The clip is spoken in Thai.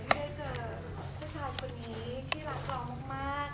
ได้เจอผู้ชายคนนี้ที่รักเรามาก